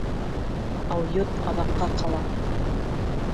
Алйот аҙаҡҡа ҡала.